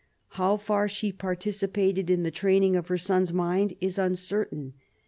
How far she participated in the training of her son's mind is uncertain.